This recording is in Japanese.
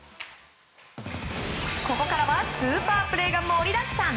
ここからはスーパープレーが盛りだくさん。